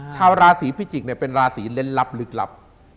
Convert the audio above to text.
ชาวราศีพิจิกษ์เป็นราศีเล่นลับลึกลับ